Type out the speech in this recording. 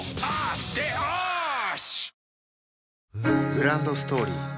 グランドストーリー